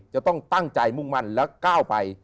จะต้องตั้งใจมุ่งมั่นและก้าวไป